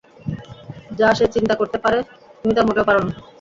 যা সে চিন্তা করতে পারে তুমি তা মোটেও পার না।